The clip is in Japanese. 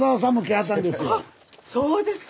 あっそうですか！